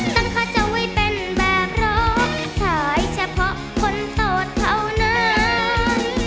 ตั้งข้าจะไม่เป็นแบบเราถ้าให้ฉันขอคนโสดเท่านั้น